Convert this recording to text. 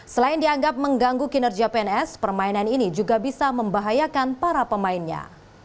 selain dianggap mengganggu kinerja pns permainan ini juga bisa membahayakan para pemainnya